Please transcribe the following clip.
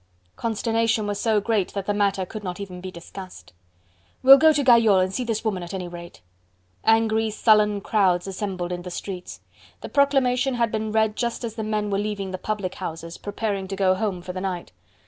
Consternation was so great that the matter could not even be discussed. "We'll go to Gayole and see this woman at any rate." Angry, sullen crowds assembled in the streets. The proclamation had been read just as the men were leaving the public houses, preparing to go home for the night.